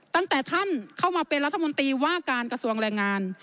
ตั้งแต่ท่านเข้ามาเป็นรัฐมนตรีว่าการกระทรวงแรงงาน